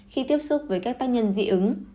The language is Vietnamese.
khi tiếp xúc với các tác nhân dị ứng